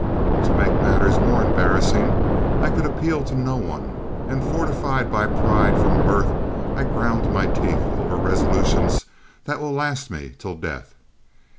To make matters more embarrassing, I could appeal to no one, and, fortified by pride from birth, I ground my teeth over resolutions that will last me till death.